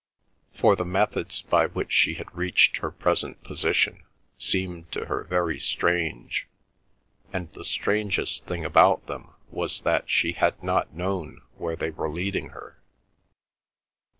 For the methods by which she had reached her present position, seemed to her very strange, and the strangest thing about them was that she had not known where they were leading her.